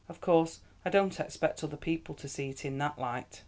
Of course, I don't expect other people to see it in that light."